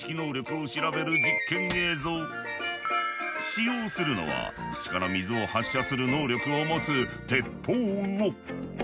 使用するのは口から水を発射する能力を持つテッポウウオ。